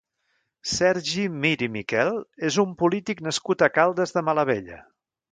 Sergi Mir i Miquel és un polític nascut a Caldes de Malavella.